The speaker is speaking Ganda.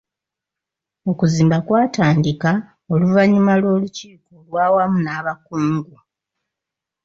Okuzimba kwatandika oluvannyuma lw'olukiiko olw'awamu n'abakungu.